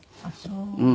うん。